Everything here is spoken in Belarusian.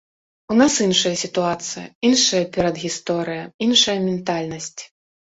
У нас іншая сітуацыя, іншая перадгісторыя, іншая ментальнасць.